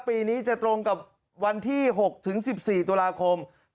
ปีนี้จะตรงกับวันที่๖๑๔ตุลาคม